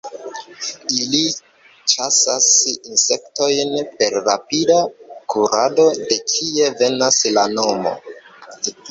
Ili ĉasas insektojn per rapida kurado de kie venas la nomo.